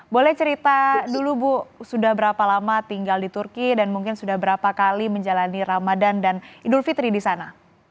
boleh cerita dulu bu sudah berapa lama tinggal di turki dan mungkin sudah berapa kali menjalani ramadan dan idul fitri di sana